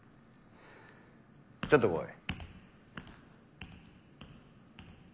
ちょっと来い。